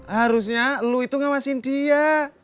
harusnya lu itu ngawasin dia